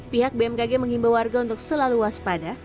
pihak bmkg menghimbau warga untuk selalu waspada